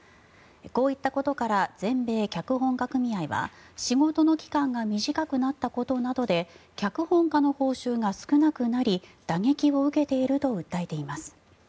こういったことから全米脚本家組合は仕事の期間が短くなったことなどで脚本家の報酬が少なくなり打撃を受けていると訴えています。